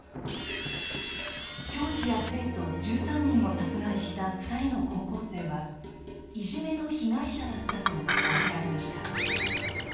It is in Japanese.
教師や生徒１３人を殺害した２人の高校生はいじめの被害者だったと報じられました。